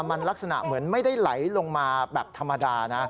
มันลักษณะเหมือนไม่ได้ไหลลงมาแบบธรรมดานะ